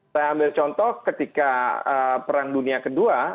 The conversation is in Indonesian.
saya ambil contoh ketika perang dunia ii